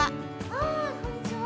あこんにちは！